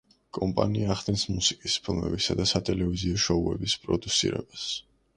კომპანია ახდენს მუსიკის, ფილმებისა და სატელევიზიო შოუების პროდიუსირებას.